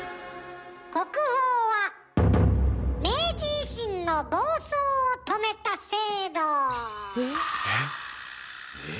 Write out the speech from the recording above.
「国宝」は明治維新の暴走を止めた制度。え？え？え？